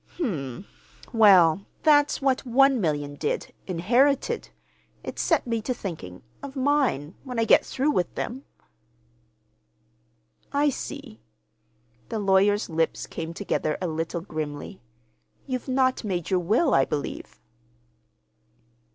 "Hm m; well, that's what one million did—inherited. It set me to thinking—of mine, when I get through with them." "I see." The lawyer's lips came together a little grimly. "You've not made your will, I believe."